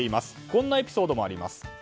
こんなエピソードもあります。